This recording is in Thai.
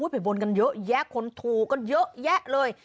ไปบนกันเยอะแยะคนถูกกันเยอะแยะเลย